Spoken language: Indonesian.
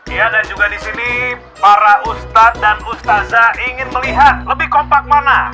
ya dan juga disini para ustaz dan ustazah ingin melihat lebih kompak mana